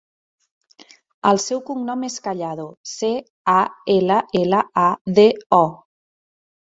El seu cognom és Callado: ce, a, ela, ela, a, de, o.